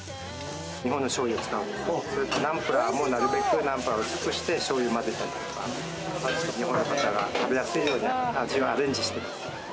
日本のしょうゆを使うんですけれども、ナンプラーもなるべく薄くして、しょうゆを混ぜて日本の方が食べやすいように味をアレンジしてます。